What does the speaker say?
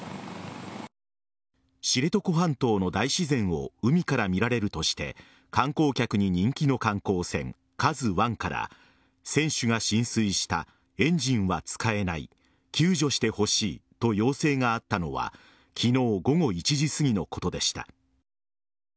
知床半島の大自然を海から見られるとして観光客に人気の観光船「ＫＡＺＵ１」から船首が浸水したエンジンは使えない救助してほしいと要請があったのは昨日午後１時すぎのことでした。